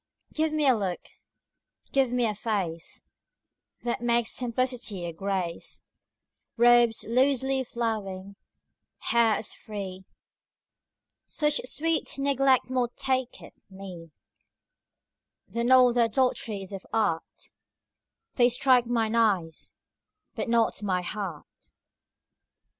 Give me a look, give me a face That makes simplicity a grace; Robes loosely flowing, hair as free: Such sweet neglect more taketh me 10 Than all th' adulteries of art; They strike mine eyes, but not my heart.